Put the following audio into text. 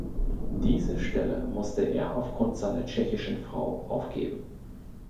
Diese Stelle musste er aufgrund seiner tschechischen Frau aufgeben.